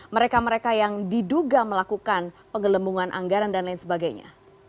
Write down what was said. mereka mereka yang diduga melakukan penggelembungan anggaran dan lain sebagainya